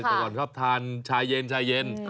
กดก่อนชอบทานชายเย็น